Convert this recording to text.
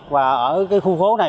và ở cái khu phố này